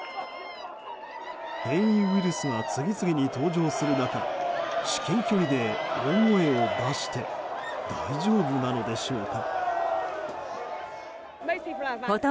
変異ウイルスが次々に登場する中至近距離で大声を出して大丈夫なのでしょうか。